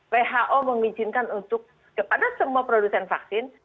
who mengizinkan untuk kepada semua produsen vaksin